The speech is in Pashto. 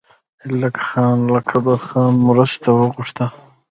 ایلک خان له قدرخان مرسته وغوښته.